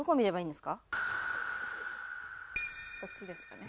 そっちですかね。